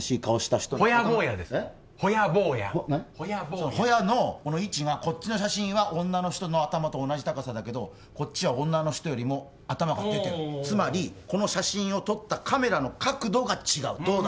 ホヤぼーやホヤの位置がこっちの写真は女の人の頭と同じ高さだけどこっちは女の人よりも頭が出てるつまりこの写真を撮ったカメラの角度が違うどうだ？